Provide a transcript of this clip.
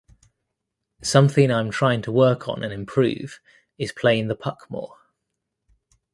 Something I’m trying to work on and improve is playing the puck more.